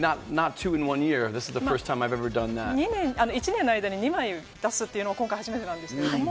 １年の間に２枚出すというのは今回、初めてなんですけども。